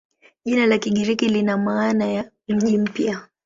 Jina la Kigiriki lina maana ya "mji mpya".